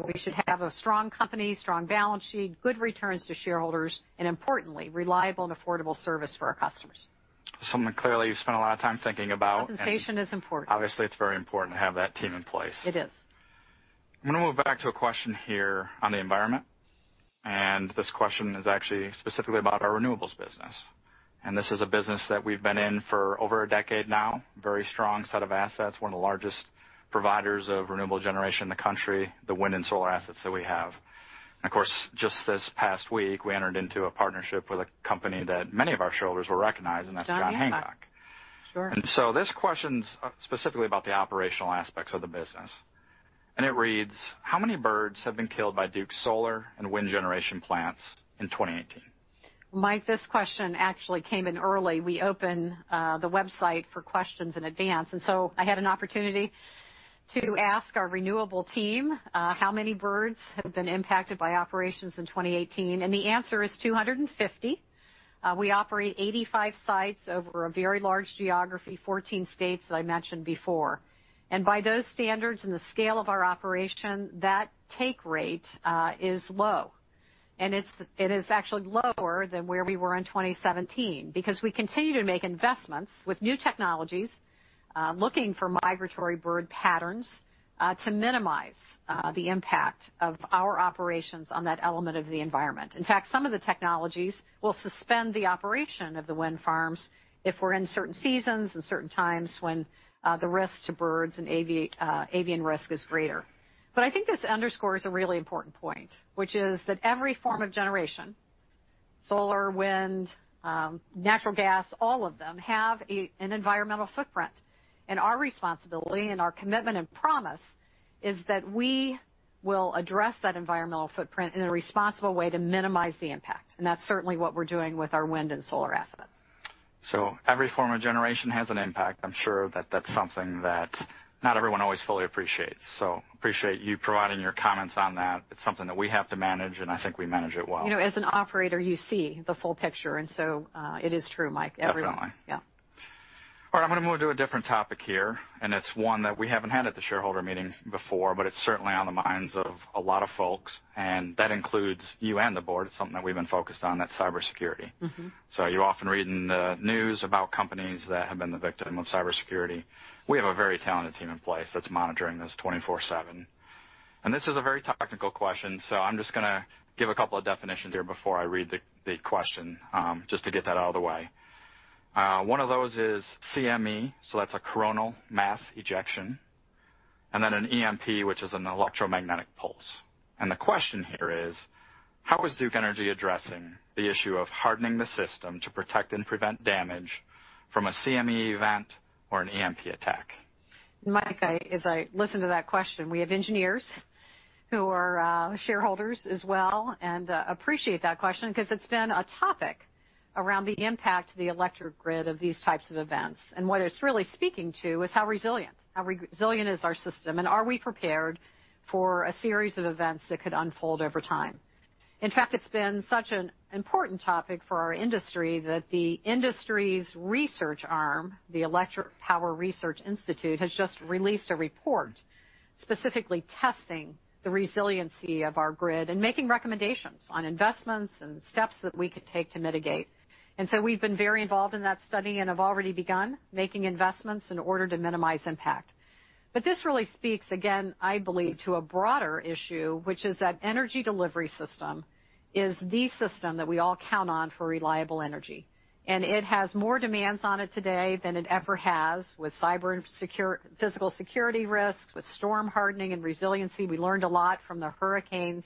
We should have a strong company, strong balance sheet, good returns to shareholders, and importantly, reliable and affordable service for our customers. Something clearly you've spent a lot of time thinking about. Compensation is important obviously, it's very important to have that team in place. It is. I'm going to move back to a question here on the environment. This question is actually specifically about our renewables business. This is a business that we've been in for over a decade now. Very strong set of assets. One of the largest providers of renewable generation in the country, the wind and solar assets that we have. Of course, just this past week, we entered into a partnership with a company that many of our shareholders will recognize, and that's John Hancock. Sure. This question's specifically about the operational aspects of the business. It reads, "How many birds have been killed by Duke's solar and wind generation plants in 2018? Mike, this question actually came in early. We open the website for questions in advance. I had an opportunity to ask our renewable team how many birds have been impacted by operations in 2018. The answer is 250. We operate 85 sites over a very large geography, 14 states, as I mentioned before. By those standards and the scale of our operation, that take rate is low. It is actually lower than where we were in 2017 because we continue to make investments with new technologies, looking for migratory bird patterns, to minimize the impact of our operations on that element of the environment. In fact, some of the technologies will suspend the operation of the wind farms if we're in certain seasons and certain times when the risk to birds and avian risk is greater. I think this underscores a really important point, which is that every form of generation, solar, wind, natural gas, all of them, have an environmental footprint. Our responsibility and our commitment and promise is that we will address that environmental footprint in a responsible way to minimize the impact. That's certainly what we're doing with our wind and solar assets. Every form of generation has an impact. I'm sure that that's something that not everyone always fully appreciates. Appreciate you providing your comments on that. It's something that we have to manage, and I think we manage it well. As an operator, you see the full picture, it is true, Mike. Definitely. Yeah. All right. I'm going to move to a different topic here, it's one that we haven't had at the shareholder meeting before, it's certainly on the minds of a lot of folks, that includes you and the board. It's something that we've been focused on. That's cybersecurity. You often read in the news about companies that have been the victim of cybersecurity. We have a very talented team in place that's monitoring this 24/7. This is a very technical question, I'm just going to give a couple of definitions here before I read the question, just to get that out of the way. One of those is CME, that's a coronal mass ejection, then an EMP, which is an electromagnetic pulse. The question here is, "How is Duke Energy addressing the issue of hardening the system to protect and prevent damage from a CME event or an EMP attack? Mike, as I listen to that question, we have engineers who are shareholders as well and appreciate that question because it's been a topic around the impact of the electric grid of these types of events. What it's really speaking to is how resilient is our system, and are we prepared for a series of events that could unfold over time? In fact, it's been such an important topic for our industry that the industry's research arm, the Electric Power Research Institute, has just released a report specifically testing the resiliency of our grid and making recommendations on investments and steps that we could take to mitigate. We've been very involved in that study and have already begun making investments in order to minimize impact. This really speaks, again, I believe, to a broader issue, which is that energy delivery system is the system that we all count on for reliable energy. It has more demands on it today than it ever has with cyber and physical security risks, with storm hardening and resiliency. We learned a lot from the hurricanes.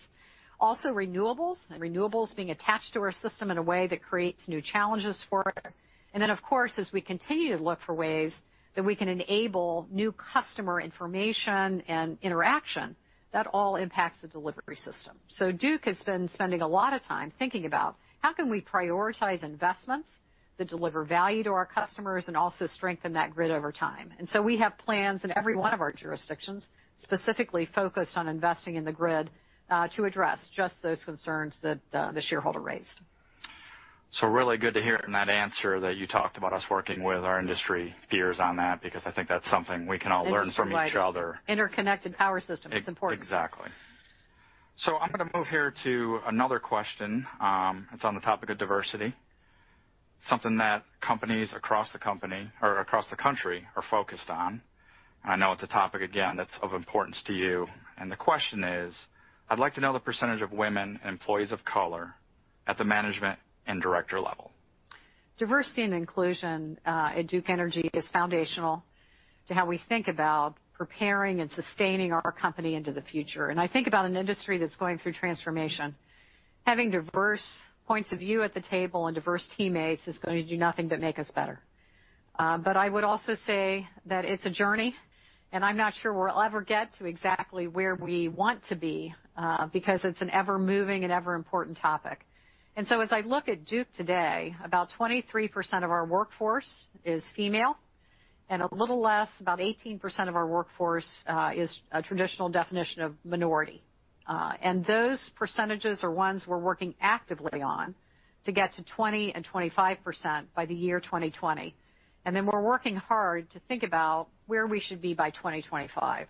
Also renewables, and renewables being attached to our system in a way that creates new challenges for it. Then, of course, as we continue to look for ways that we can enable new customer information and interaction, that all impacts the delivery system. Duke has been spending a lot of time thinking about how can we prioritize investments that deliver value to our customers and also strengthen that grid over time. We have plans in every one of our jurisdictions specifically focused on investing in the grid to address just those concerns that the shareholder raised. Really good to hear in that answer that you talked about us working with our industry peers on that because I think that's something we can all learn from each other. Interconnected power system. It's important. Exactly. I'm going to move here to another question. It's on the topic of diversity, something that companies across the country are focused on. I know it's a topic, again, that's of importance to you. The question is, "I'd like to know the % of women and employees of color at the management and director level. Diversity and inclusion at Duke Energy is foundational to how we think about preparing and sustaining our company into the future. I think about an industry that's going through transformation. Having diverse points of view at the table and diverse teammates is going to do nothing but make us better. I would also say that it's a journey, and I'm not sure we'll ever get to exactly where we want to be, because it's an ever-moving and ever important topic. As I look at Duke today, about 23% of our workforce is female, and a little less, about 18% of our workforce is a traditional definition of minority. Those % are ones we're working actively on to get to 20% and 25% by the year 2020. We're working hard to think about where we should be by 2025.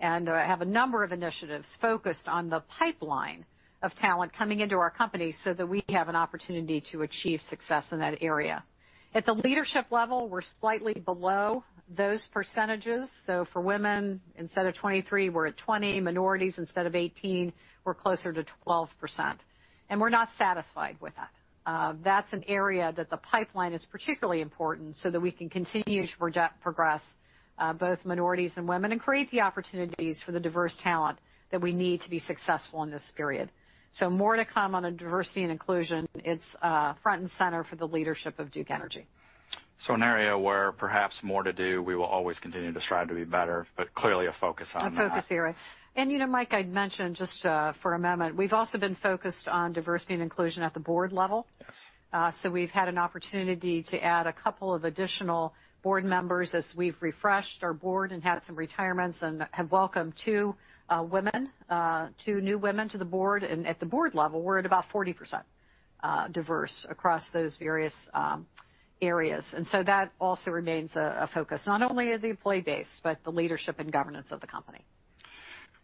I have a number of initiatives focused on the pipeline of talent coming into our company so that we have an opportunity to achieve success in that area. At the leadership level, we're slightly below those percentages. For women, instead of 23%, we're at 20%. Minorities, instead of 18%, we're closer to 12%. We're not satisfied with that. That's an area that the pipeline is particularly important so that we can continue to progress both minorities and women and create the opportunities for the diverse talent that we need to be successful in this period. More to come on diversity and inclusion. It's front and center for the leadership of Duke Energy. An area where perhaps more to do, we will always continue to strive to be better, but clearly a focus on that. A focus here. Mike, I'd mention, just for a moment, we've also been focused on diversity and inclusion at the board level. Yes. We've had an opportunity to add a couple of additional board members as we've refreshed our board and had some retirements and have welcomed two new women to the board. At the board level, we're at about 40% diverse across those various areas. That also remains a focus, not only at the employee base, but the leadership and governance of the company.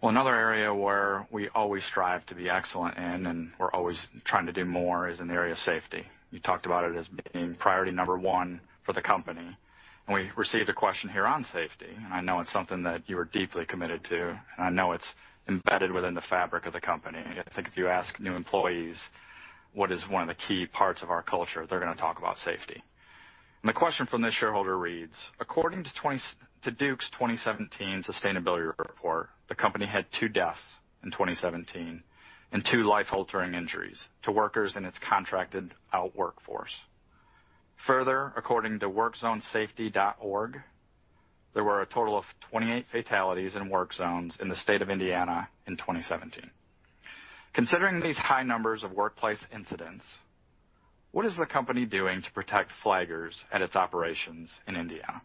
Well, another area where we always strive to be excellent in, and we're always trying to do more, is in the area of safety. You talked about it as being priority number one for the company, we received a question here on safety, and I know it's something that you are deeply committed to, and I know it's embedded within the fabric of the company. I think if you ask new employees what is one of the key parts of our culture, they're going to talk about safety. The question from this shareholder reads, "According to Duke's 2017 sustainability report, the company had two deaths in 2017 and two life-altering injuries to workers in its contracted out workforce. Further, according to workzonesafety.org, there were a total of 28 fatalities in work zones in the state of Indiana in 2017. Considering these high numbers of workplace incidents, what is the company doing to protect flaggers at its operations in Indiana?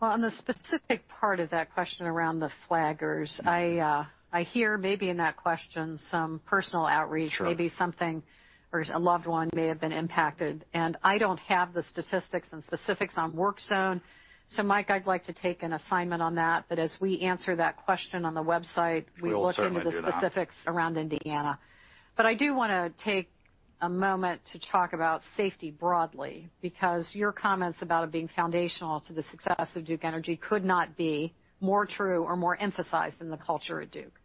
On the specific part of that question around the flaggers, I hear maybe in that question some personal outreach. Sure Maybe something, or a loved one may have been impacted. I don't have the statistics and specifics on work zone. Mike, I'd like to take an assignment on that. As we answer that question on the website. We will certainly do that. we look into the specifics around Indiana. I do want to take a moment to talk about safety broadly, because your comments about it being foundational to the success of Duke Energy could not be more true or more emphasized in the culture at Duke.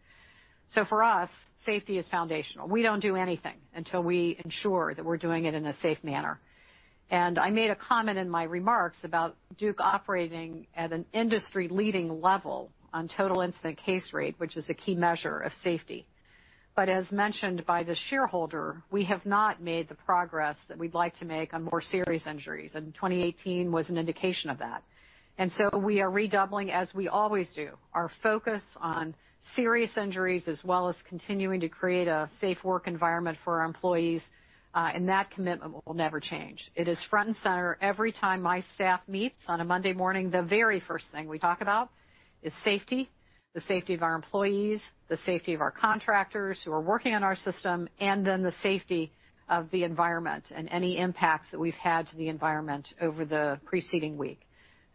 For us, safety is foundational. We don't do anything until we ensure that we're doing it in a safe manner. I made a comment in my remarks about Duke operating at an industry-leading level on total incident case rate, which is a key measure of safety. As mentioned by the shareholder, we have not made the progress that we'd like to make on more serious injuries, and 2018 was an indication of that. We are redoubling, as we always do, our focus on serious injuries as well as continuing to create a safe work environment for our employees, and that commitment will never change. It is front and center every time my staff meets on a Monday morning. The very first thing we talk about is safety, the safety of our employees, the safety of our contractors who are working on our system, and then the safety of the environment and any impacts that we've had to the environment over the preceding week.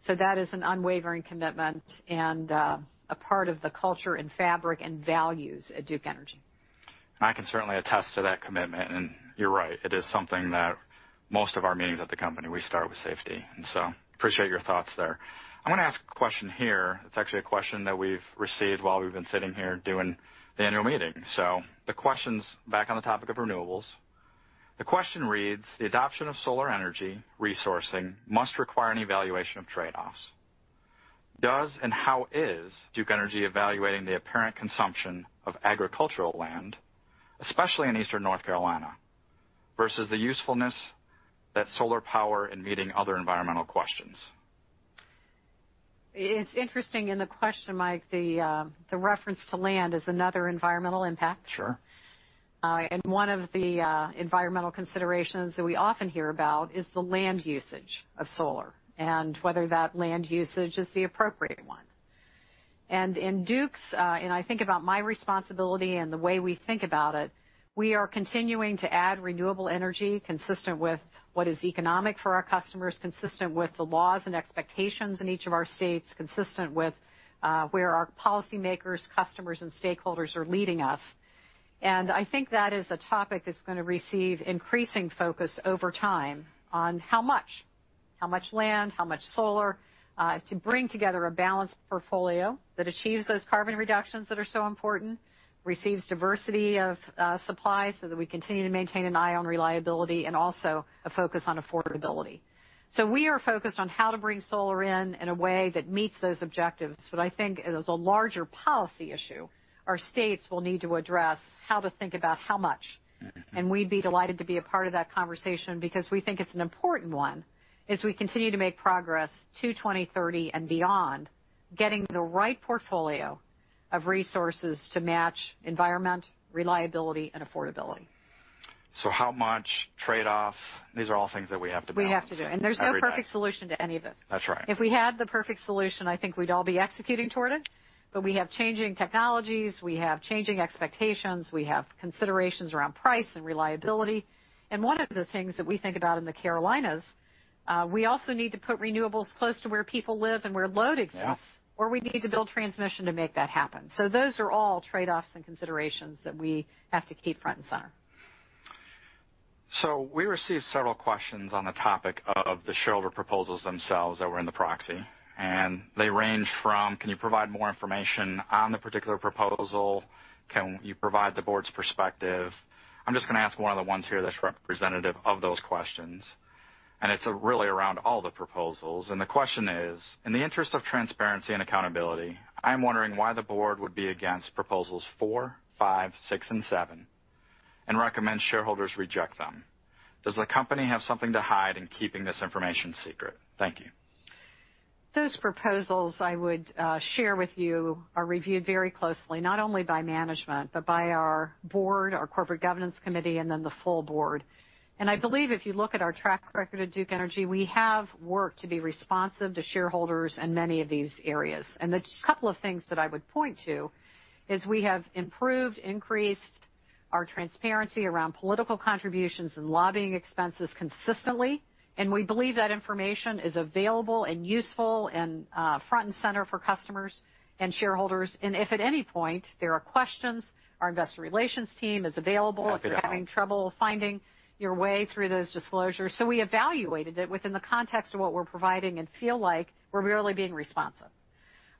That is an unwavering commitment and a part of the culture and fabric and values at Duke Energy. I can certainly attest to that commitment. You're right, it is something that most of our meetings at the company, we start with safety, appreciate your thoughts there. I'm going to ask a question here. It's actually a question that we've received while we've been sitting here doing the annual meeting. The question's back on the topic of renewables. The question reads: The adoption of solar energy resourcing must require an evaluation of trade-offs. Does and how is Duke Energy evaluating the apparent consumption of agricultural land, especially in eastern North Carolina, versus the usefulness that solar power in meeting other environmental questions? It's interesting in the question, Mike, the reference to land is another environmental impact. Sure. One of the environmental considerations that we often hear about is the land usage of solar and whether that land usage is the appropriate one. In Duke's, and I think about my responsibility and the way we think about it, we are continuing to add renewable energy consistent with what is economic for our customers, consistent with the laws and expectations in each of our states, consistent with where our policymakers, customers, and stakeholders are leading us. I think that is a topic that's going to receive increasing focus over time on how much land, how much solar to bring together a balanced portfolio that achieves those carbon reductions that are so important, receives diversity of supply so that we continue to maintain an eye on reliability and also a focus on affordability. We are focused on how to bring solar in a way that meets those objectives. I think as a larger policy issue, our states will need to address how to think about how much. We'd be delighted to be a part of that conversation because we think it's an important one as we continue to make progress to 2030 and beyond, getting the right portfolio of resources to match environment, reliability, and affordability. How much trade-offs, these are all things that we have to balance. We have to do. There's no perfect solution to any of this. That's right. If we had the perfect solution, I think we'd all be executing toward it. We have changing technologies, we have changing expectations, we have considerations around price and reliability. One of the things that we think about in the Carolinas, we also need to put renewables close to where people live and where load exists- Yeah We need to build transmission to make that happen. Those are all trade-offs and considerations that we have to keep front and center. We received several questions on the topic of the shareholder proposals themselves that were in the proxy. They range from can you provide more information on the particular proposal? Can you provide the board's perspective? I'm just going to ask one of the ones here that's representative of those questions. It's really around all the proposals. The question is: In the interest of transparency and accountability, I'm wondering why the board would be against proposals 4, 5, 6, and 7 and recommend shareholders reject them. Does the company have something to hide in keeping this information secret? Thank you. Those proposals I would share with you are reviewed very closely, not only by management, but by our board, our Corporate Governance Committee, and the full board. I believe if you look at our track record at Duke Energy, we have worked to be responsive to shareholders in many of these areas. There's a couple of things that I would point to is we have improved, increased our transparency around political contributions and lobbying expenses consistently. We believe that information is available and useful and front and center for customers and shareholders. If at any point there are questions, our investor relations team is available Absolutely if you're having trouble finding your way through those disclosures. We evaluated it within the context of what we're providing and feel like we're really being responsive.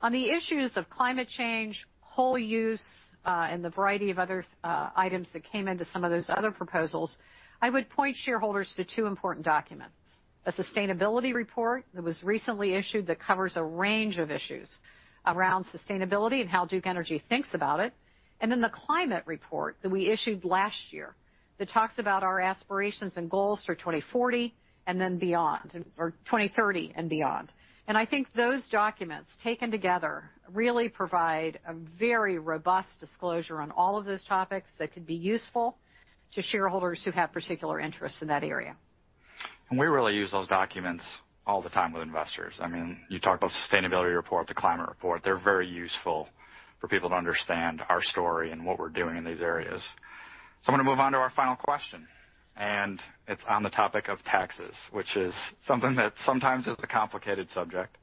On the issues of climate change, coal use, and the variety of other items that came into some of those other proposals, I would point shareholders to two important documents. A Sustainability Report that was recently issued that covers a range of issues around sustainability and how Duke Energy thinks about it. Then the Climate Report that we issued last year that talks about our aspirations and goals for 2040 and beyond, or 2030 and beyond. I think those documents taken together really provide a very robust disclosure on all of those topics that could be useful to shareholders who have particular interests in that area. We really use those documents all the time with investors. You talked about Sustainability Report, the Climate Report. They're very useful for people to understand our story and what we're doing in these areas. I'm going to move on to our final question. It's on the topic of taxes, which is something that sometimes is a complicated subject,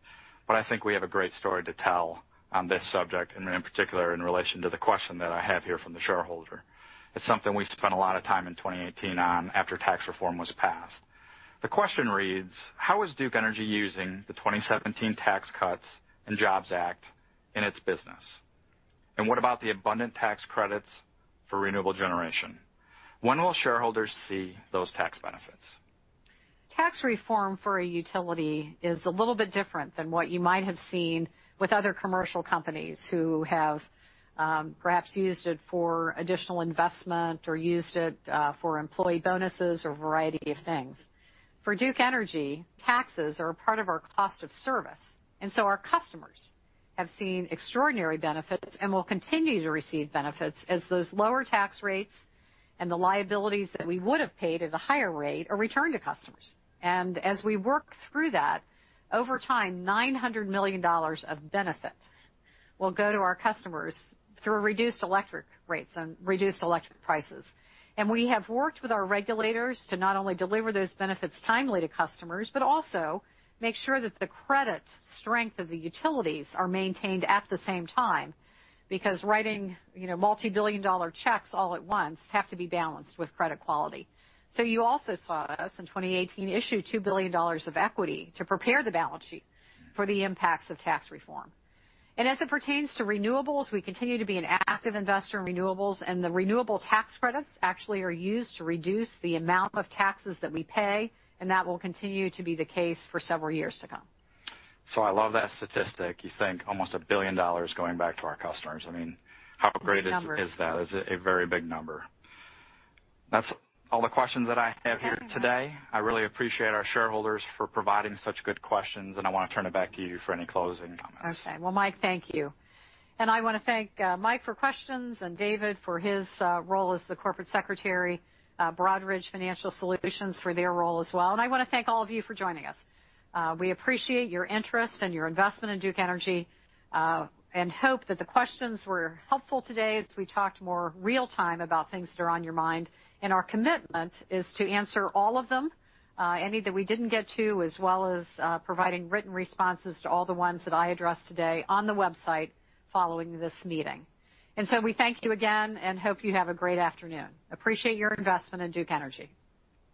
but I think we have a great story to tell on this subject. In particular, in relation to the question that I have here from the shareholder. It's something we spent a lot of time in 2018 on after tax reform was passed. The question reads: How is Duke Energy using the 2017 Tax Cuts and Jobs Act in its business? What about the abundant tax credits for renewable generation? When will shareholders see those tax benefits? Tax reform for a utility is a little bit different than what you might have seen with other commercial companies who have perhaps used it for additional investment or used it for employee bonuses or a variety of things. For Duke Energy, taxes are a part of our cost of service, our customers have seen extraordinary benefits and will continue to receive benefits as those lower tax rates and the liabilities that we would have paid at a higher rate are returned to customers. As we work through that, over time, $900 million of benefit will go to our customers through reduced electric rates and reduced electric prices. We have worked with our regulators to not only deliver those benefits timely to customers but also make sure that the credit strength of the utilities are maintained at the same time, because writing multibillion-dollar checks all at once have to be balanced with credit quality. You also saw us in 2018 issue $2 billion of equity to prepare the balance sheet for the impacts of tax reform. As it pertains to renewables, we continue to be an active investor in renewables, and the renewable tax credits actually are used to reduce the amount of taxes that we pay, and that will continue to be the case for several years to come. I love that statistic. You think almost $1 billion going back to our customers. How great is that? A big number. It is a very big number. That's all the questions that I have here today. I really appreciate our shareholders for providing such good questions, and I want to turn it back to you for any closing comments. Okay. Well, Mike, thank you. I want to thank Mike for questions and David for his role as the Corporate Secretary, Broadridge Financial Solutions for their role as well. I want to thank all of you for joining us. We appreciate your interest and your investment in Duke Energy, and hope that the questions were helpful today as we talked more real-time about things that are on your mind. Our commitment is to answer all of them, any that we didn't get to, as well as providing written responses to all the ones that I addressed today on the website following this meeting. We thank you again and hope you have a great afternoon. Appreciate your investment in Duke Energy.